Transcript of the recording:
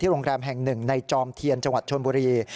โรงแรมแห่งหนึ่งในจอมเทียนจังหวัดชนบุรี